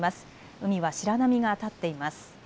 海は白波が立っています。